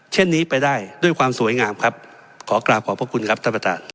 เช่นนี้ไปได้ด้วยความสวยงามครับขอกราบขอบพระคุณครับท่านประธาน